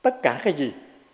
tất cả cái gì